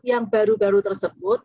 yang baru baru tersebut